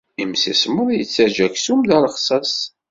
Imsismeḍ yettaǧǧa aksum d arexsas.